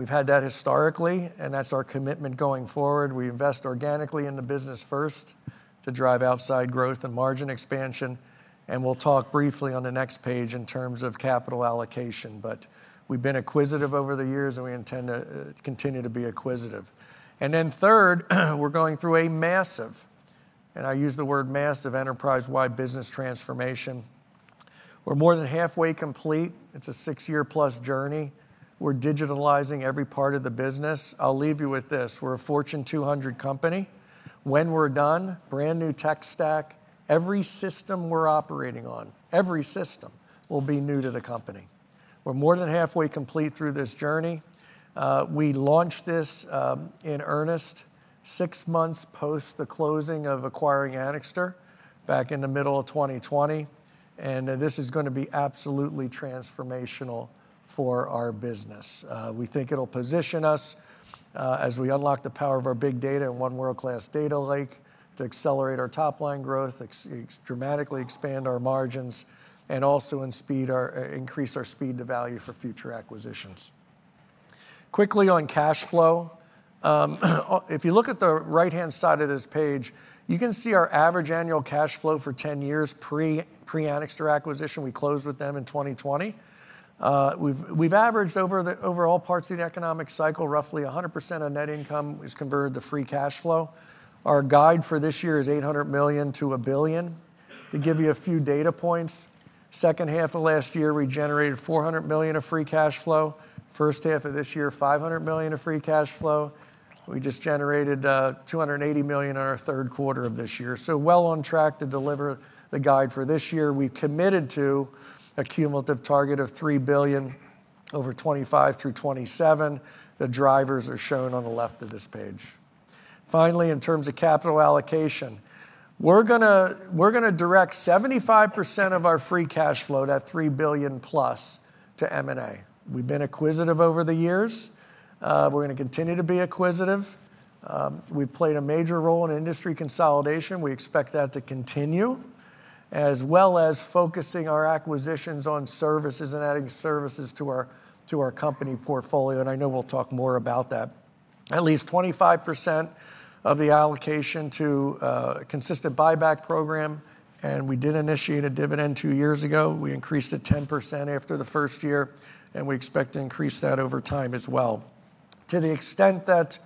We've had that historically, and that's our commitment going forward. We invest organically in the business first to drive outside growth and margin expansion. And we'll talk briefly on the next page in terms of capital allocation. But we've been acquisitive over the years, and we intend to continue to be acquisitive. And then third, we're going through a massive, and I use the word massive, enterprise-wide business transformation. We're more than halfway complete. It's a six-year-plus journey. We're digitalizing every part of the business. I'll leave you with this: we're a Fortune 200 company. When we're done, brand new tech stack. Every system we're operating on, every system, will be new to the company. We're more than halfway complete through this journey. We launched this in earnest six months post the closing of acquiring Anixter back in the middle of 2020. This is going to be absolutely transformational for our business. We think it'll position us as we unlock the power of our big data in one world-class data lake to accelerate our top-line growth, dramatically expand our margins, and also increase our speed to value for future acquisitions. Quickly on cash flow. If you look at the right-hand side of this page, you can see our average annual cash flow for 10 years pre-Anixter acquisition. We closed with them in 2020. We've averaged over all parts of the economic cycle roughly 100% of net income is converted to free cash flow. Our guide for this year is $800 million-$1 billion. To give you a few data points, the second half of last year, we generated $400 million of free cash flow. First half of this year, $500 million of free cash flow. We just generated $280 million in our third quarter of this year, so well on track to deliver the guide for this year. We committed to a cumulative target of $3 billion over 2025 through 2027. The drivers are shown on the left of this page. Finally, in terms of capital allocation, we're going to direct 75% of our free cash flow, that $3 billion plus, to M&A. We've been acquisitive over the years. We're going to continue to be acquisitive. We've played a major role in industry consolidation. We expect that to continue, as well as focusing our acquisitions on services and adding services to our company portfolio, and I know we'll talk more about that. At least 25% of the allocation to a consistent buyback program, and we did initiate a dividend two years ago. We increased it 10% after the first year. And we expect to increase that over time as well. To the extent that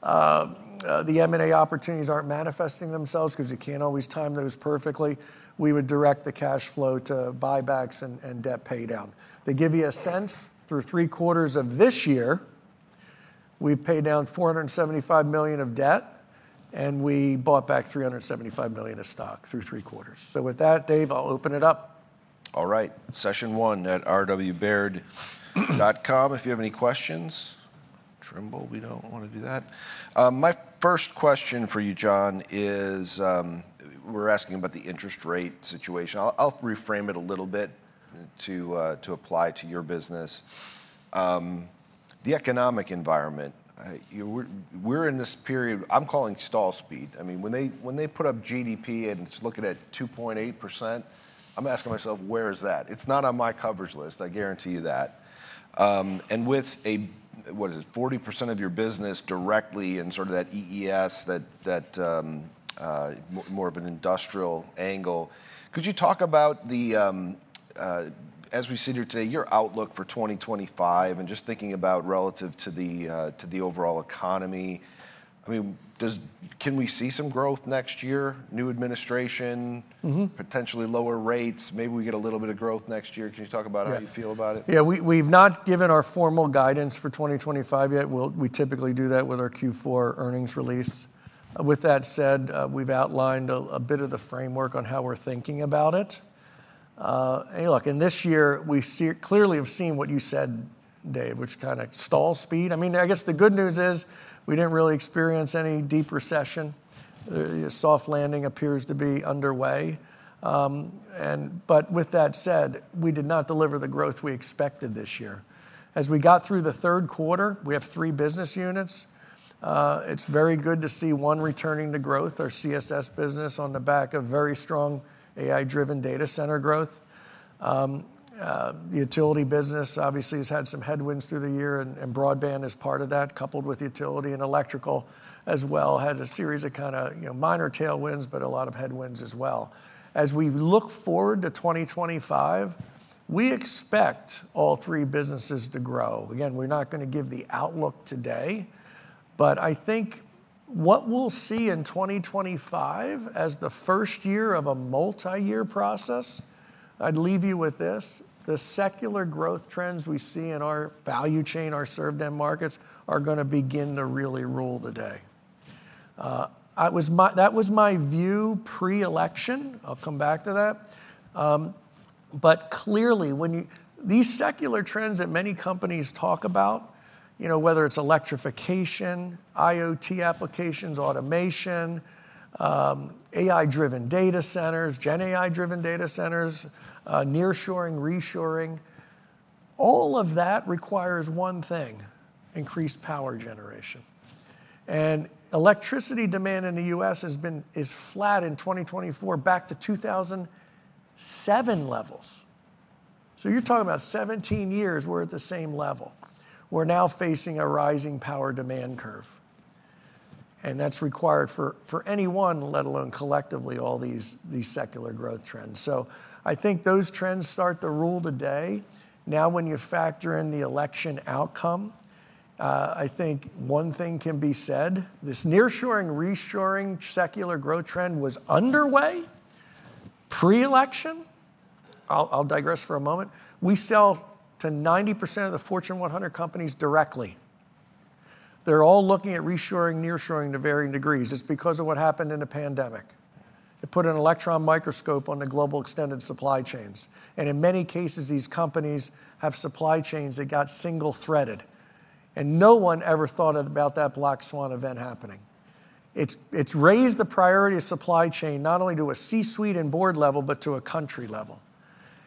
the M&A opportunities aren't manifesting themselves, because you can't always time those perfectly, we would direct the cash flow to buybacks and debt paydown. To give you a sense, through three quarters of this year, we've paid down $475 million of debt, and we bought back $375 million of stock through three quarters. So with that, Dave, I'll open it up. All right. Session1@rwbaird.com. If you have any questions. Trimble, we don't want to do that. My first question for you, John, is we're asking about the interest rate situation. I'll reframe it a little bit to apply to your business. The economic environment, we're in this period I'm calling stall speed. I mean, when they put up GDP and it's looking at 2.8%, I'm asking myself, where is that? It's not on my coverage list, I guarantee you that. And with a, what is it, 40% of your business directly in sort of that EES, that more of an industrial angle, could you talk about the, as we sit here today, your outlook for 2025? And just thinking about relative to the overall economy, I mean, can we see some growth next year? New administration, potentially lower rates. Maybe we get a little bit of growth next year. Can you talk about how you feel about it? Yeah. We've not given our formal guidance for 2025 yet. We typically do that with our Q4 earnings release. With that said, we've outlined a bit of the framework on how we're thinking about it. And look, in this year, we clearly have seen what you said, Dave, which kind of stall speed. I mean, I guess the good news is we didn't really experience any deep recession. Soft landing appears to be underway. But with that said, we did not deliver the growth we expected this year. As we got through the third quarter, we have three business units. It's very good to see one returning to growth, our CSS business, on the back of very strong AI-driven data center growth. The utility business, obviously, has had some headwinds through the year, and broadband is part of that, coupled with utility and electrical as well. Had a series of kind of minor tailwinds, but a lot of headwinds as well. As we look forward to 2025, we expect all three businesses to grow. Again, we're not going to give the outlook today, but I think what we'll see in 2025, as the first year of a multi-year process, I'd leave you with this: the secular growth trends we see in our value chain, our served markets, are going to begin to really rule the day. That was my view pre-election. I'll come back to that, but clearly, when these secular trends that many companies talk about, whether it's electrification, IoT applications, automation, AI-driven data centers, GenAI-driven data centers, nearshoring, reshoring, all of that requires one thing: increased power generation. And electricity demand in the U.S. has been flat in 2024, back to 2007 levels, so you're talking about 17 years we're at the same level. We're now facing a rising power demand curve. And that's required for anyone, let alone collectively, all these secular growth trends. So I think those trends start to rule today. Now, when you factor in the election outcome, I think one thing can be said: this nearshoring, reshoring secular growth trend was underway pre-election. I'll digress for a moment. We sell to 90% of the Fortune 100 companies directly. They're all looking at reshoring, nearshoring to varying degrees. It's because of what happened in the pandemic. It put an electron microscope on the global extended supply chains. And in many cases, these companies have supply chains that got single-threaded. And no one ever thought about that black swan event happening. It's raised the priority of supply chain not only to a C-suite and board level, but to a country level.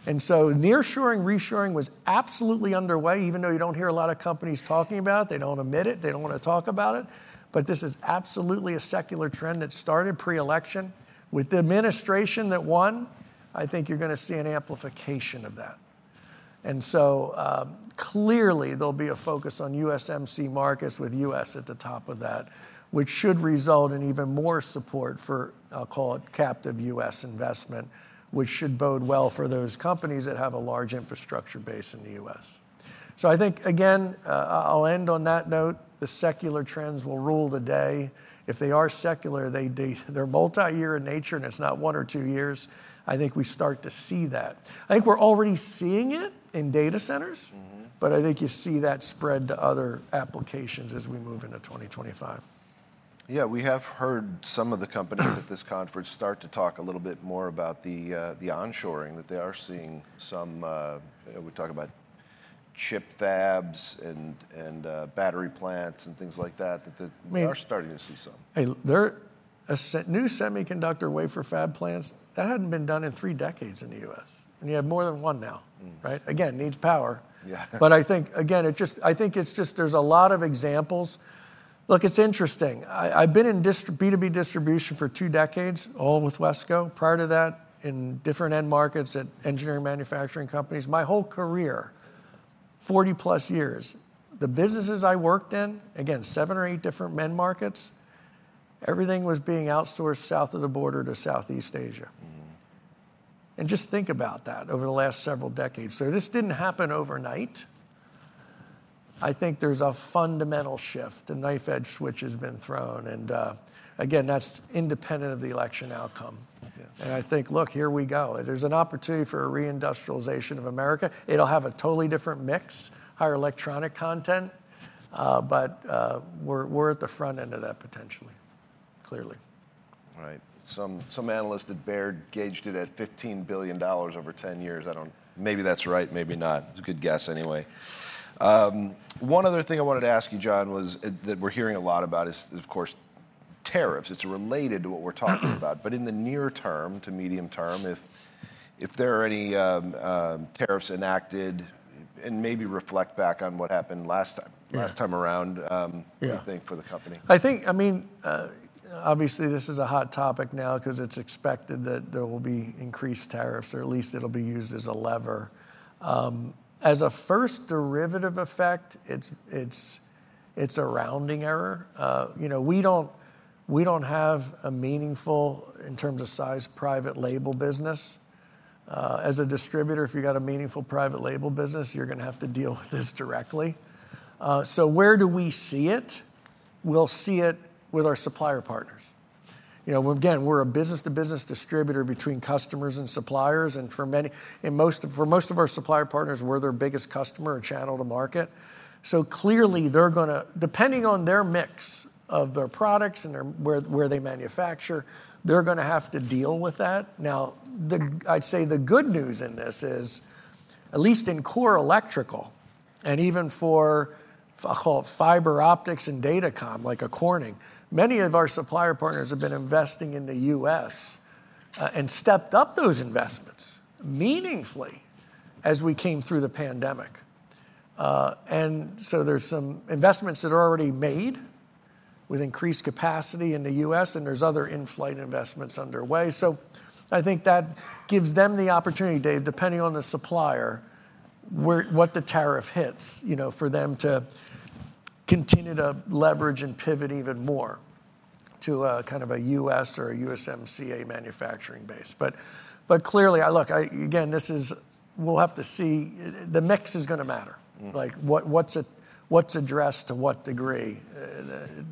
And so nearshoring, reshoring was absolutely underway, even though you don't hear a lot of companies talking about it. They don't admit it. They don't want to talk about it. But this is absolutely a secular trend that started pre-election. With the administration that won, I think you're going to see an amplification of that. And so clearly, there'll be a focus on USMCA markets with U.S. at the top of that, which should result in even more support for, I'll call it, captive U.S. investment, which should bode well for those companies that have a large infrastructure base in the U.S. So I think, again, I'll end on that note. The secular trends will rule the day. If they are secular, they're multi-year in nature, and it's not one or two years. I think we start to see that. I think we're already seeing it in data centers. But I think you see that spread to other applications as we move into 2025. Yeah. We have heard some of the companies at this conference start to talk a little bit more about the onshoring that they are seeing some. We talk about chip fabs and battery plants and things like that. We are starting to see some. New semiconductor wafer fab plants, that hadn't been done in three decades in the U.S. And you have more than one now, right? Again, needs power. But I think, again, I think it's just there's a lot of examples. Look, it's interesting. I've been in B2B distribution for two decades, all with WESCO. Prior to that, in different end markets at engineering manufacturing companies. My whole career, 40-plus years, the businesses I worked in, again, seven or eight different end markets, everything was being outsourced south of the border to Southeast Asia. And just think about that over the last several decades. So this didn't happen overnight. I think there's a fundamental shift. The knife-edge switch has been thrown. And again, that's independent of the election outcome. And I think, look, here we go. There's an opportunity for a reindustrialization of America. It'll have a totally different mix, higher electronic content, but we're at the front end of that potentially, clearly. Right. Some analysts at Baird gauged it at $15 billion over 10 years. Maybe that's right, maybe not. It's a good guess anyway. One other thing I wanted to ask you, John, was that we're hearing a lot about is, of course, tariffs. It's related to what we're talking about. But in the near term to medium term, if there are any tariffs enacted, and maybe reflect back on what happened last time, last time around, you think, for the company. I think, I mean, obviously, this is a hot topic now because it's expected that there will be increased tariffs, or at least it'll be used as a lever. As a first derivative effect, it's a rounding error. We don't have a meaningful, in terms of size, private label business. As a distributor, if you've got a meaningful private label business, you're going to have to deal with this directly. So where do we see it? We'll see it with our supplier partners. Again, we're a business-to-business distributor between customers and suppliers, and for most of our supplier partners, we're their biggest customer, a channel to market, so clearly, they're going to, depending on their mix of their products and where they manufacture, they're going to have to deal with that. Now, I'd say the good news in this is, at least in core electrical, and even for, I'll call it, fiber optics and datacom, like a Corning, many of our supplier partners have been investing in the U.S. and stepped up those investments meaningfully as we came through the pandemic. And so there's some investments that are already made with increased capacity in the U.S., and there's other in-flight investments underway. So I think that gives them the opportunity, Dave, depending on the supplier, what the tariff hits for them to continue to leverage and pivot even more to kind of a U.S. or a USMCA manufacturing base. But clearly, look, again, we'll have to see the mix is going to matter. What's addressed to what degree?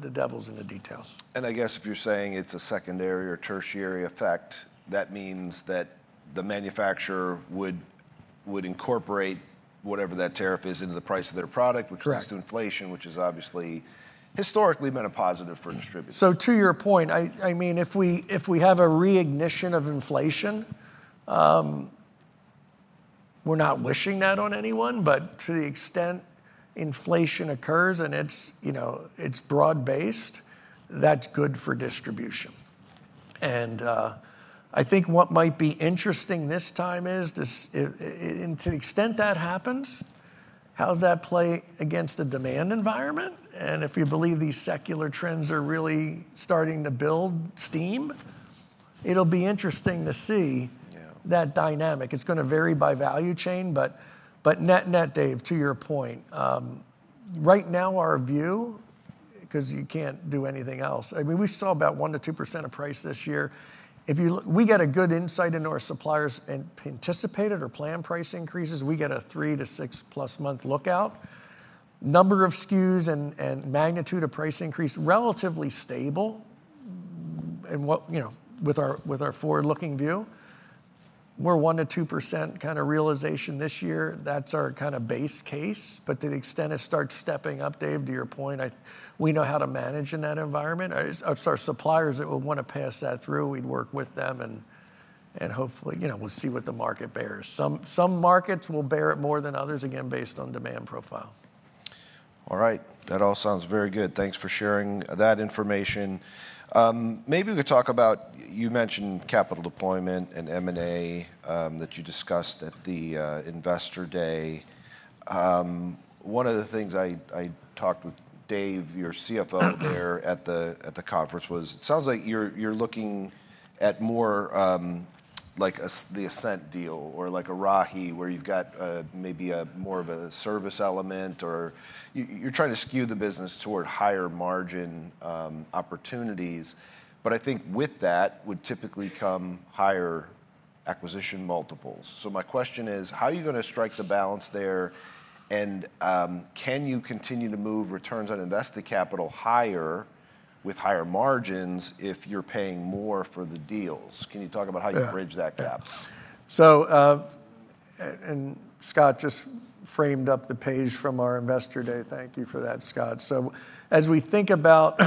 The devil's in the details. And I guess if you're saying it's a secondary or tertiary effect, that means that the manufacturer would incorporate whatever that tariff is into the price of their product, which leads to inflation, which has obviously historically been a positive for distributors. So to your point, I mean, if we have a reignition of inflation, we're not wishing that on anyone. But to the extent inflation occurs and it's broad-based, that's good for distribution. And I think what might be interesting this time is, to the extent that happens, how does that play against the demand environment? And if you believe these secular trends are really starting to build steam, it'll be interesting to see that dynamic. It's going to vary by value chain. But net, net, Dave, to your point, right now our view, because you can't do anything else, I mean, we saw about 1%-2% of price this year. We get a good insight into our suppliers' anticipated or planned price increases. We get a three- to six-plus-month lookout. Number of SKUs and magnitude of price increase relatively stable with our forward-looking view. We're 1%-2% kind of realization this year. That's our kind of base case. But to the extent it starts stepping up, Dave, to your point, we know how to manage in that environment. It's our suppliers that will want to pass that through. We'd work with them. And hopefully, we'll see what the market bears. Some markets will bear it more than others, again, based on demand profile. All right. That all sounds very good. Thanks for sharing that information. Maybe we could talk about, you mentioned capital deployment and M&A that you discussed at the investor day. One of the things I talked with Dave, your CFO there at the conference, was it sounds like you're looking at more like the Ascent deal or like a Rahi, where you've got maybe more of a service element, or you're trying to skew the business toward higher margin opportunities. But I think with that would typically come higher acquisition multiples. So my question is, how are you going to strike the balance there? And can you continue to move returns on invested capital higher with higher margins if you're paying more for the deals? Can you talk about how you bridge that gap? Scott just framed up the page from our investor day. Thank you for that, Scott. As we think about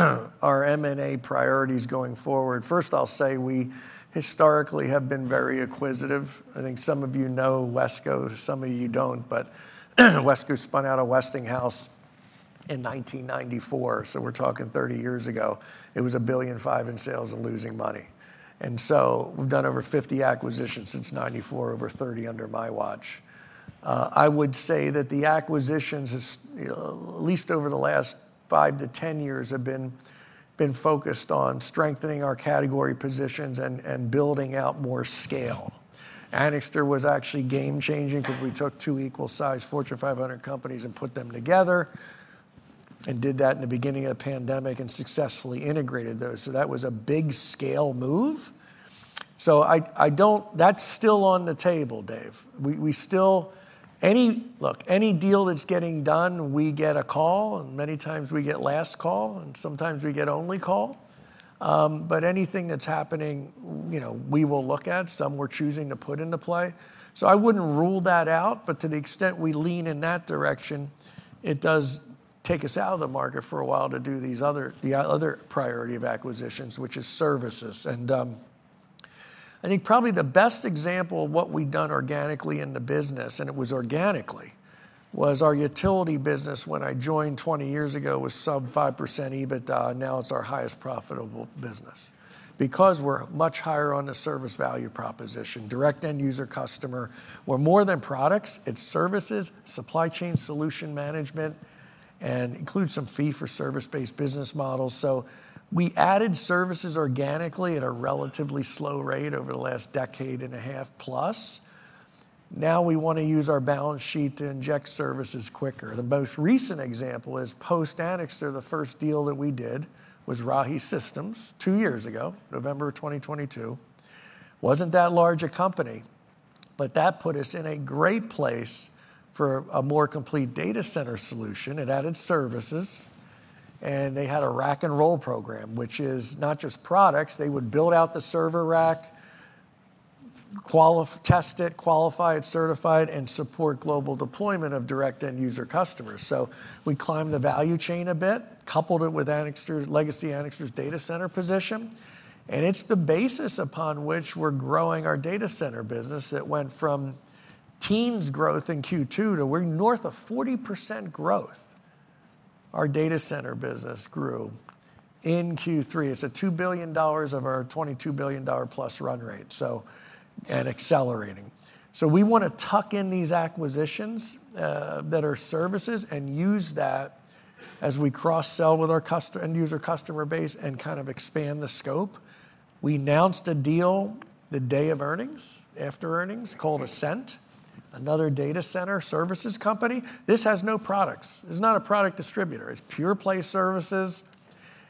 our M&A priorities going forward, first, I'll say we historically have been very acquisitive. I think some of you know Wesco. Some of you don't. But Wesco spun out of Westinghouse in 1994. We're talking 30 years ago. It was $1.5 billion in sales and losing money. We've done over 50 acquisitions since 1994, over 30 under my watch. I would say that the acquisitions, at least over the last 5-10 years, have been focused on strengthening our category positions and building out more scale. Anixter was actually game-changing because we took two equal-sized Fortune 500 companies and put them together and did that in the beginning of the pandemic and successfully integrated those. That was a big scale move. So that's still on the table, Dave. Look, any deal that's getting done, we get a call. And many times we get last call. And sometimes we get only call. But anything that's happening, we will look at. Some we're choosing to put into play. So I wouldn't rule that out. But to the extent we lean in that direction, it does take us out of the market for a while to do the other priority of acquisitions, which is services. And I think probably the best example of what we've done organically in the business, and it was organically, was our utility business when I joined 20 years ago was sub-5% EBITDA. Now it's our highest profitable business because we're much higher on the service value proposition, direct end user customer. We're more than products. It's services, supply chain solution management, and includes some fee for service-based business models. So we added services organically at a relatively slow rate over the last decade and a half plus. Now we want to use our balance sheet to inject services quicker. The most recent example is post-Anixter, the first deal that we did was Rahi Systems two years ago, November 2022. Wasn't that large a company. But that put us in a great place for a more complete data center solution. It added services. And they had a rack and roll program, which is not just products. They would build out the server rack, test it, qualify it, certify it, and support global deployment of direct end user customers. So we climbed the value chain a bit, coupled it with legacy Anixter's data center position. And it's the basis upon which we're growing our data center business that went from teens growth in Q2 to we're north of 40% growth. Our data center business grew in Q3. It's a $2 billion of our $22 billion plus run rate and accelerating. So we want to tuck in these acquisitions that are services and use that as we cross-sell with our end user customer base and kind of expand the scope. We announced a deal the day of earnings, after earnings, called Ascent, another data center services company. This has no products. It's not a product distributor. It's pure play services.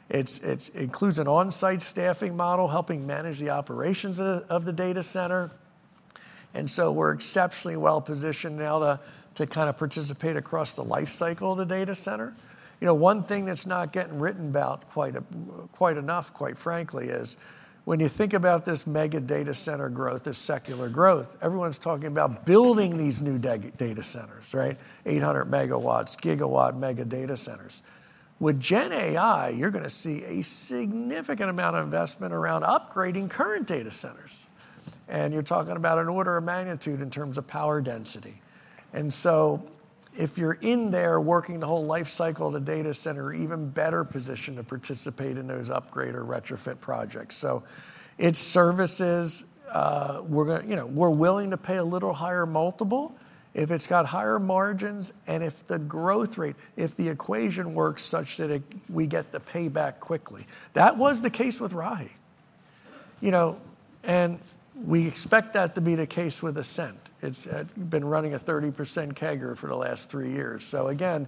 It includes an on-site staffing model helping manage the operations of the data center. And so we're exceptionally well positioned now to kind of participate across the lifecycle of the data center. One thing that's not getting written about quite enough, quite frankly, is when you think about this mega data center growth, this secular growth. Everyone's talking about building these new data centers, right? 800 megawatts, gigawatt mega data centers. With GenAI, you're going to see a significant amount of investment around upgrading current data centers, and you're talking about an order of magnitude in terms of power density, and so if you're in there working the whole lifecycle of the data center, even better positioned to participate in those upgrade or retrofit projects, so it's services. We're willing to pay a little higher multiple if it's got higher margins and if the growth rate, if the equation works such that we get the payback quickly. That was the case with Rahi, and we expect that to be the case with Ascent. It's been running a 30% CAGR for the last three years, so again,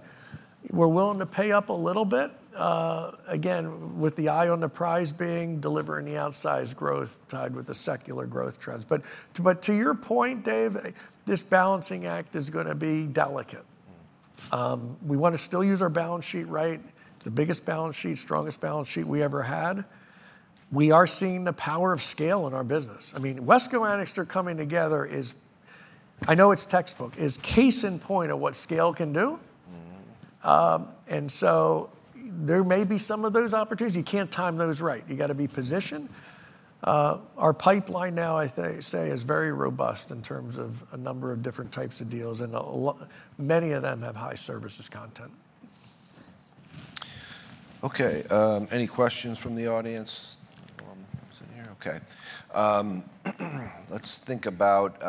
we're willing to pay up a little bit, again, with the eye on the prize being delivering the outsized growth tied with the secular growth trends. But to your point, Dave, this balancing act is going to be delicate. We want to still use our balance sheet right. It's the biggest balance sheet, strongest balance sheet we ever had. We are seeing the power of scale in our business. I mean, WESCO and Anixter coming together is, I know it's textbook, a case in point of what scale can do. And so there may be some of those opportunities. You can't time those right. You got to be positioned. Our pipeline now, I say, is very robust in terms of a number of different types of deals. And many of them have high services content. Okay. Any questions from the audience? Let's think about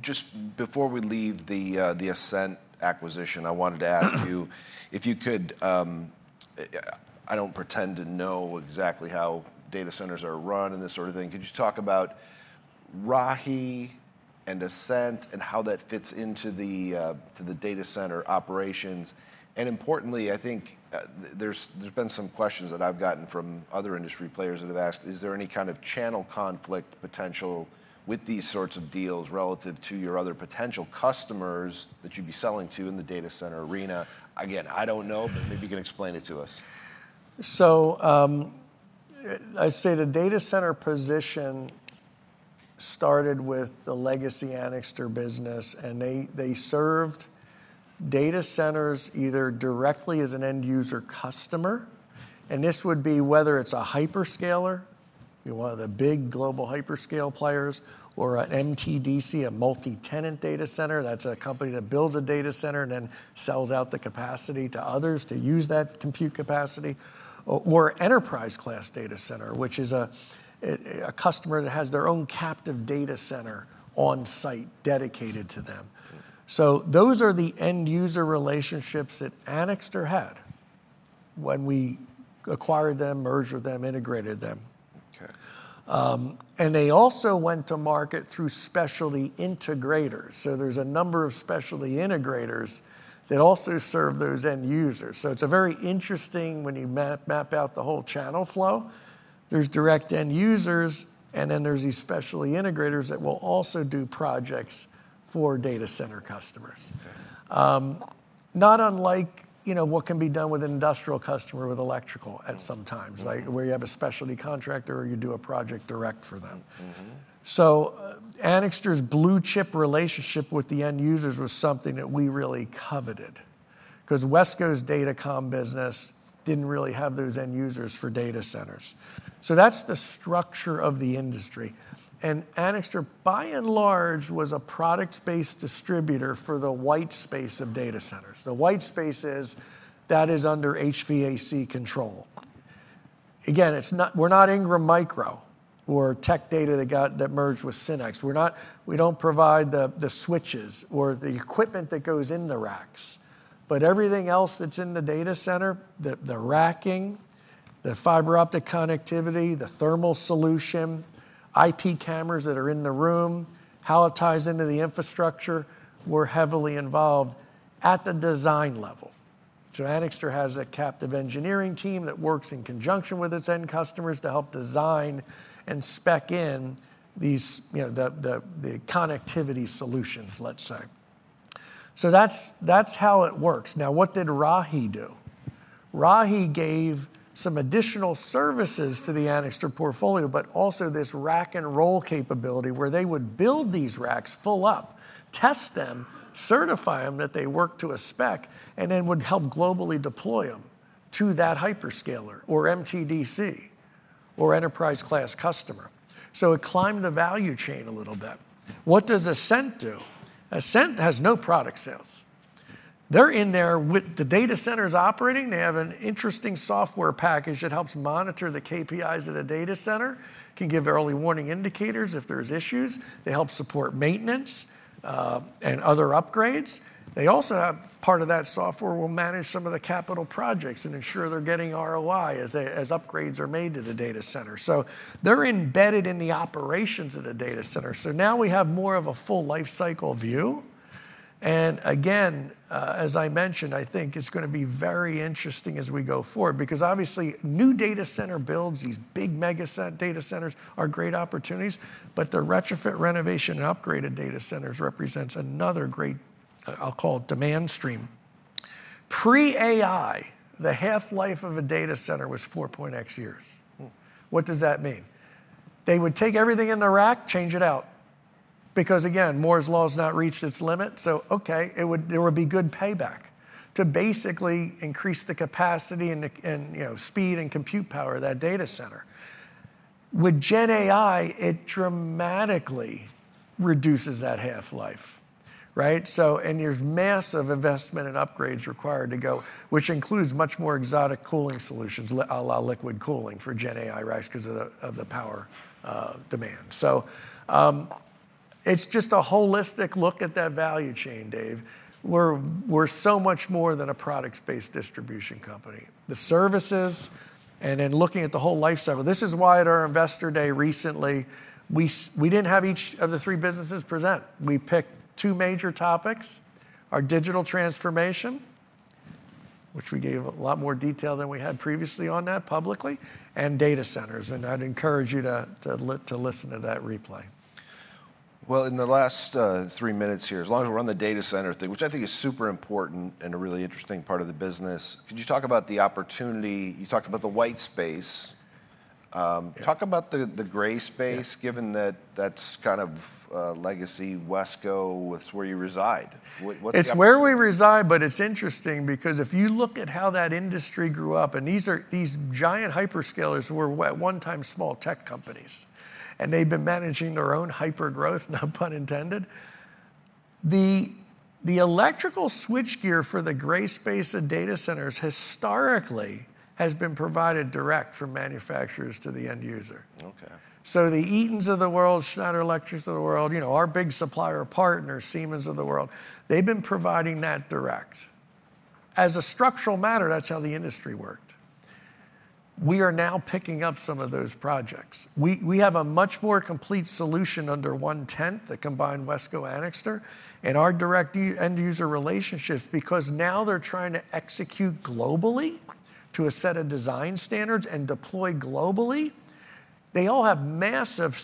just before we leave the Ascent acquisition. I wanted to ask you if you could. I don't pretend to know exactly how data centers are run and this sort of thing. Could you talk about Rahi and Ascent and how that fits into the data center operations? And importantly, I think there's been some questions that I've gotten from other industry players that have asked, is there any kind of channel conflict potential with these sorts of deals relative to your other potential customers that you'd be selling to in the data center arena? Again, I don't know, but maybe you can explain it to us. I'd say the data center position started with the legacy Anixter business. They served data centers either directly as an end user customer. This would be whether it's a hyperscaler, one of the big global hyperscale players, or an MTDC, a multi-tenant data center. That's a company that builds a data center and then sells out the capacity to others to use that compute capacity, or enterprise-class data center, which is a customer that has their own captive data center on site dedicated to them. Those are the end user relationships that Anixter had when we acquired them, merged with them, integrated them. They also went to market through specialty integrators. There's a number of specialty integrators that also serve those end users. It's very interesting when you map out the whole channel flow. There's direct end users. And then there's these specialty integrators that will also do projects for data center customers, not unlike what can be done with an industrial customer with electrical at some times, where you have a specialty contractor or you do a project direct for them. So Anixter's blue chip relationship with the end users was something that we really coveted because Wesco's datacom business didn't really have those end users for data centers. So that's the structure of the industry. And Anixter, by and large, was a product-based distributor for the white space of data centers. The white space, that is, under HVAC control. Again, we're not Ingram Micro or Tech Data that merged with SYNNEX. We don't provide the switches or the equipment that goes in the racks. But everything else that's in the data center, the racking, the fiber optic connectivity, the thermal solution, IP cameras that are in the room, how it ties into the infrastructure, we're heavily involved at the design level. So Anixter has a captive engineering team that works in conjunction with its end customers to help design and spec in the connectivity solutions, let's say. So that's how it works. Now, what did Rahi do? Rahi gave some additional services to the Anixter portfolio, but also this rack and roll capability where they would build these racks, fill up, test them, certify them that they work to a spec, and then would help globally deploy them to that hyperscaler or MTDC or enterprise-class customer. So it climbed the value chain a little bit. What does Ascent do? Ascent has no product sales. They're in there with the data centers operating. They have an interesting software package that helps monitor the KPIs of the data center, can give early warning indicators if there's issues. They help support maintenance and other upgrades. They also have part of that software will manage some of the capital projects and ensure they're getting ROI as upgrades are made to the data center. So they're embedded in the operations of the data center. So now we have more of a full lifecycle view. And again, as I mentioned, I think it's going to be very interesting as we go forward because obviously new data center builds, these big mega data centers are great opportunities. But the retrofit, renovation, and upgrade of data centers represents another great, I'll call it demand stream. Pre-AI, the half-life of a data center was 4.x years. What does that mean? They would take everything in the rack, change it out because again, Moore's Law has not reached its limit, so okay, there would be good payback to basically increase the capacity and speed and compute power of that data center. With GenAI, it dramatically reduces that half-life, right? And there's massive investment and upgrades required to go, which includes much more exotic cooling solutions, a la liquid cooling for GenAI rise because of the power demand. So it's just a holistic look at that value chain, Dave. We're so much more than a product-based distribution company. The services and in looking at the whole lifecycle, this is why at our investor day recently, we didn't have each of the three businesses present. We picked two major topics: our digital transformation, which we gave a lot more detail than we had previously on that publicly, and data centers. I'd encourage you to listen to that replay. In the last three minutes here, as long as we're on the data center thing, which I think is super important and a really interesting part of the business, could you talk about the opportunity? You talked about the white space. Talk about the gray space, given that that's kind of legacy WESCO, it's where you reside. It's where we reside, but it's interesting because if you look at how that industry grew up, and these giant hyperscalers were at one time small tech companies, and they've been managing their own hyper growth, no pun intended. The electrical switchgear for the gray space of data centers historically has been provided direct from manufacturers to the end user. So the Eatons of the world, Schneider Electrics of the world, our big supplier partner, Siemens of the world, they've been providing that direct. As a structural matter, that's how the industry worked. We are now picking up some of those projects. We have a much more complete solution under one roof, the combined Wesco-Anixter and our direct end user relationships because now they're trying to execute globally to a set of design standards and deploy globally. They all have massive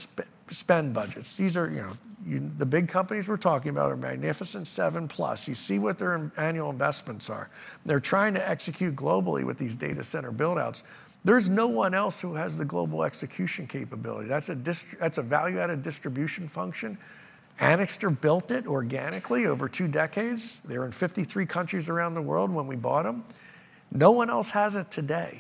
spend budgets. These are the big companies we're talking about are Magnificent Seven Plus. You see what their annual investments are. They're trying to execute globally with these data center buildouts. There's no one else who has the global execution capability. That's a value-added distribution function. Anixter built it organically over two decades. They were in 53 countries around the world when we bought them. No one else has it today.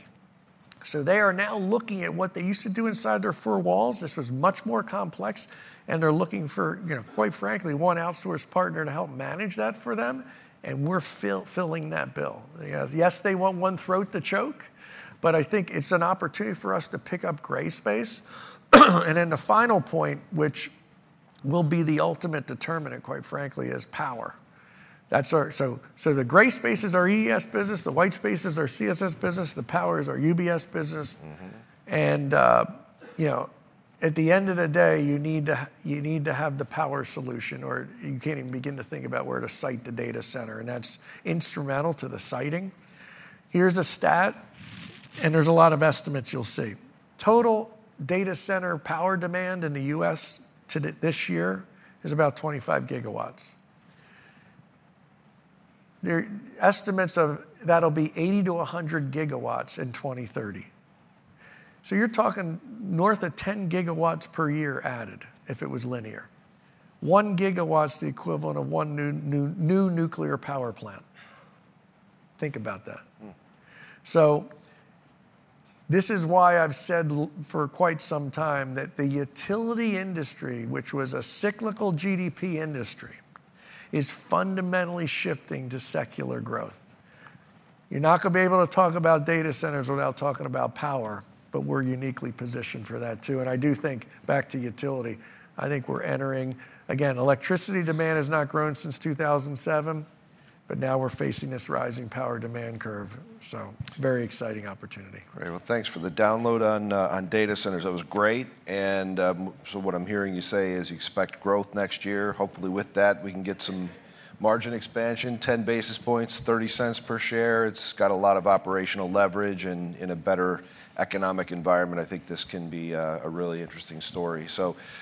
So they are now looking at what they used to do inside their four walls. This was much more complex. And they're looking for, quite frankly, one outsourced partner to help manage that for them. And we're filling that bill. Yes, they want one throat to choke. But I think it's an opportunity for us to pick up gray space. And then the final point, which will be the ultimate determinant, quite frankly, is power. The gray space is our EES business. The white space is our CSS business. The power is our UBS business. And at the end of the day, you need to have the power solution or you can't even begin to think about where to site the data center. And that's instrumental to the siting. Here's a stat. And there's a lot of estimates you'll see. Total data center power demand in the U.S. this year is about 25 gigawatts. Estimates of that'll be 80-100 gigawatts in 2030. So you're talking north of 10 gigawatts per year added if it was linear. One gigawatt's the equivalent of one new nuclear power plant. Think about that. So this is why I've said for quite some time that the utility industry, which was a cyclical GDP industry, is fundamentally shifting to secular growth. You're not going to be able to talk about data centers without talking about power. But we're uniquely positioned for that too. And I do think back to utility, I think we're entering, again, electricity demand has not grown since 2007, but now we're facing this rising power demand curve. So very exciting opportunity. Great. Well, thanks for the download on data centers. That was great. And so what I'm hearing you say is you expect growth next year. Hopefully with that, we can get some margin expansion, 10 basis points, $0.30 per share. It's got a lot of operational leverage. And in a better economic environment, I think this can be a really interesting story.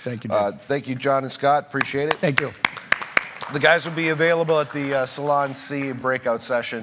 Thank you, Dave. Thank you, John and Scott. Appreciate it. Thank you. The guys will be available at the Salon C breakout session.